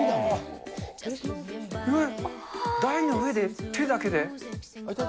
台の上で、手だけで？